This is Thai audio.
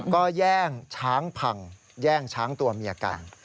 ก็แย่งช้างพังแย่งช้างตัวเมียกัน